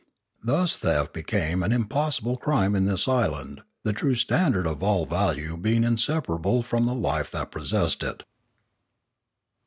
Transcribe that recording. Thus theft became an impossible crime in this island, the true standard of all value being inseparable from the life that possessed it.